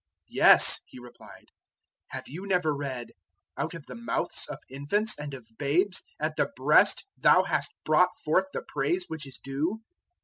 "Yes," He replied; "have you never read, `Out of the mouths of infants and of babes at the breast Thou hast brought forth the praise which is due'?"